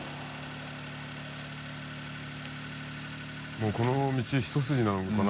もうこの道一筋なのかな？